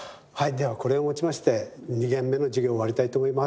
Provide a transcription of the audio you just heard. ではこれをもちまして２限目の授業を終わりたいと思います。